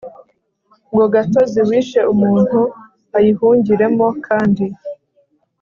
ngo gatozi wishe umuntu ayihungiremo kandi